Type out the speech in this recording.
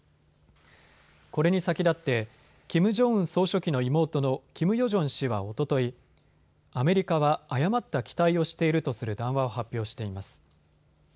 これに先立ってキム・ジョンウン総書記の妹のキム・ヨジョン氏はおととい、アメリカは誤った期待をしているとする談話を発表しています。